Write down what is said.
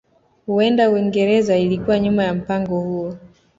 Huenda Uingereza ilikuwa nyuma ya mpango huo